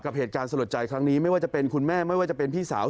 เหตุการณ์สลดใจครั้งนี้ไม่ว่าจะเป็นคุณแม่ไม่ว่าจะเป็นพี่สาว